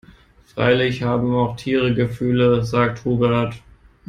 Freilich haben auch Tiere Gefühle, sagt Hubert.